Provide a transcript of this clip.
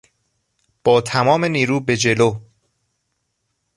با تمام نیرو به جلو!